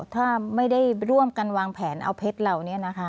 ถ้าไม่ได้ร่วมกันวางแผนเอาเพชรเรา